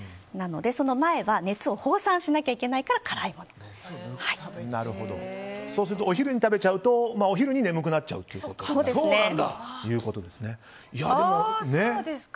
なのでその前は熱を放散しなきゃいけないからそうするとお昼に食べちゃうとお昼に眠くなっちゃうということですね。